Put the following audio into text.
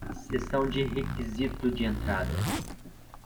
Seção de requisito de entrada